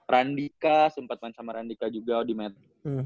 randika sempet main sama randika juga di metro